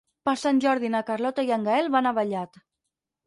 Per Sant Jordi na Carlota i en Gaël van a Vallat.